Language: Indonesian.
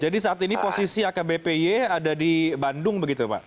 jadi saat ini posisi akbpj ada di bandung begitu pak